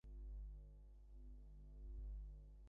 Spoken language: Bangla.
তুমি বুঝছ আমি এখানে এসে কতটা ঝুঁকি নিয়েছি?